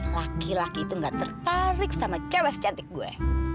laki laki itu gak tertarik sama celes cantik gue